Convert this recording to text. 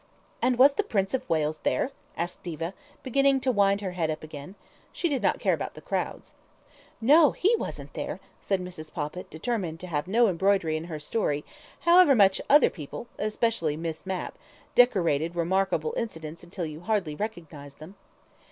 "And was the Prince of Wales there?" asked Diva, beginning to wind her head up again. She did not care about the crowds. "No, he wasn't there," said Mrs. Poppit, determined to have no embroidery in her story, however much other people, especially Miss Mapp, decorated remarkable incidents till you hardly recognized them.